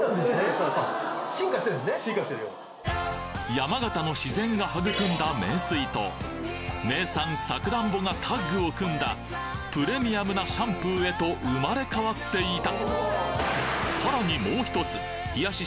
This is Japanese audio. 山形の自然が育んだ名水と名産さくらんぼがタッグを組んだプレミアムなシャンプーへと生まれ変わっていた！